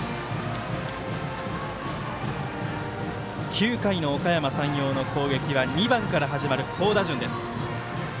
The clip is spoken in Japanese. ９回のおかやま山陽の攻撃は、２番から始まる好打順です。